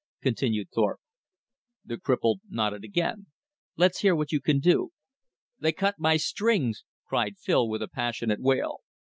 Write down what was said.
continued Thorpe. The cripple nodded again. "Let's hear what you can do." "They cut my strings!" cried Phil with a passionate wail.